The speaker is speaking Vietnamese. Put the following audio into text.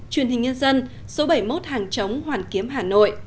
truyền hình nhân dân số bảy mươi một hàng chống hoàn kiếm hà nội